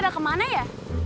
padahal ke mana ya